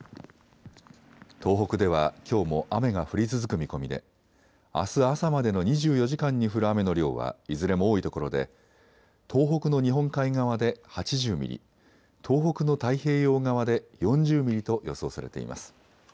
東北ではきょうも雨が降り続く見込みであす朝までの２４時間に降る雨の量はいずれも多いところで東北の日本海側で８０ミリ、東北の太平洋側で４０ミリと予想されています。